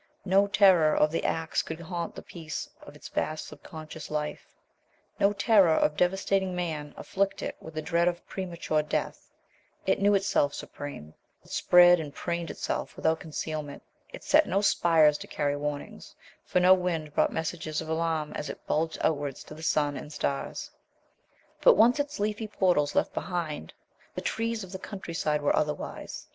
No terror of the axe could haunt the peace of its vast subconscious life, no terror of devastating Man afflict it with the dread of premature death. It knew itself supreme; it spread and preened itself without concealment. It set no spires to carry warnings, for no wind brought messages of alarm as it bulged outwards to the sun and stars. But, once its leafy portals left behind, the trees of the countryside were otherwise.